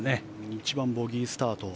１番、ボギースタート。